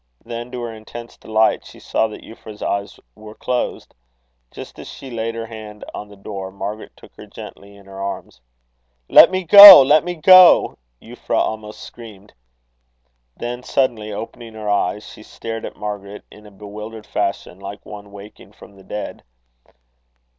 Then, to her intense delight, she saw that Euphra's eyes were closed. Just as she laid her hand on the door, Margaret took her gently in her arms. "Let me go, let me go!" Euphra almost screamed. Then suddenly opening her eyes, she stared at Margaret in a bewildered fashion, like one waking from the dead.